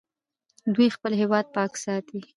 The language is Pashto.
دوی خپل هیواد پاک ساتي.